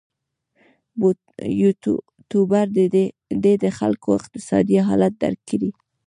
یوټوبر دې د خلکو اقتصادي حالت درک کړي.